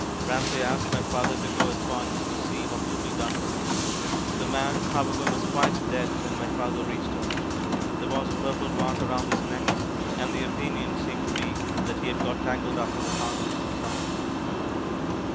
Ramsey asked my father to go at once to see what could be done for him. The man, however, was quite dead when my father reached him. There was a purple mark around his neck: and the opinion seemed to be that he had got tangled up in the harness or something.